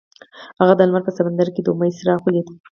هغه د لمر په سمندر کې د امید څراغ ولید.